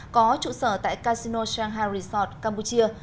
có trụ sở tại casino shanghai resort campuchia